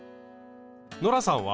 ノラさんは？